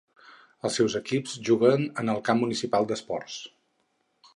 Els seus equips juguen en el Camp Municipal d'Esports.